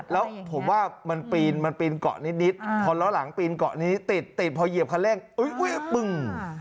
แล้วผมว่ามันปีนมันปีนเกาะนิดพอล้อหลังปีนเกาะนี้ติดติดพอเหยียบคันเร่งอุ้ยปึ้ง